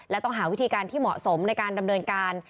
และต้องหาวิธีการที่เหมาะสมในการดำเนินการ